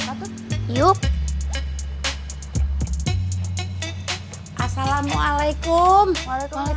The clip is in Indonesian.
semoga era lokal ini akan melepaskan kita dengan kekuatan kuat dan kebebasan kekuatan feelings